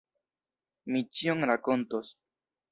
Mi ĉion rakontos!